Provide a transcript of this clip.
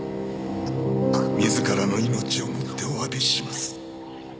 自らの命をもってお詫びします。